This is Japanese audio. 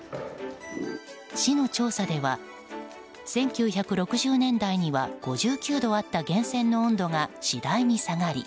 市の調査では１９６０年代には５９度あった源泉の温度が次第に下がり